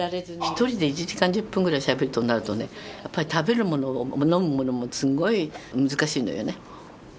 一人で１時間１０分ぐらいしゃべるとなるとねやっぱり食べるものも飲むものもすごい難しいのよね。